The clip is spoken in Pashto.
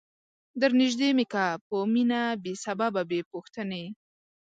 در نیژدې می که په مینه بې سببه بې پوښتنی